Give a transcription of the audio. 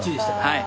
はい。